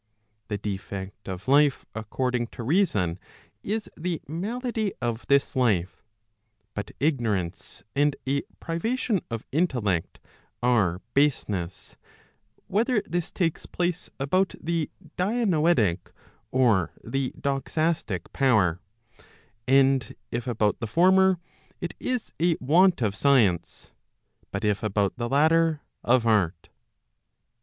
The defect of life according to reason is the malady of this life; but ignorance and a privation of intellect are baseness, whether this takes place about the Digitized by t^OOQLe OF EVIL. 505 dianoetic or the doxastic power; and if about the former it is a want of science, but if about the latter, of art.